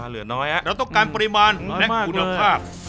เราต้องการปริมาณและคุณภาพ